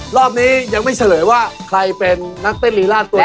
รอบนี้ยังไม่เฉลยว่าใครเป็นนักเต้นรีราชตัว